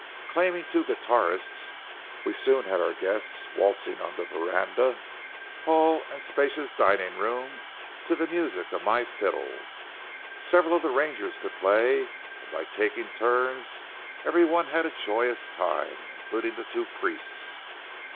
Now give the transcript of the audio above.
Claiming two guitarists, we soon had our guests waltzing on veranda, hall, and spacious dining room to the music of my fiddle. Several of the rangers could play, and by taking turns every one had a joyous time, including the two priests.